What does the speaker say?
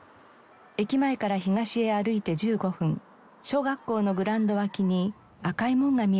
駅前から東へ歩いて１５分小学校のグラウンド脇に赤い門が見えてきました。